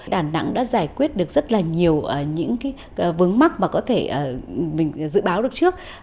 đà nẵng đã giải quyết được rất là nhiều những cái vướng mắc mà có thể mình dự báo được trước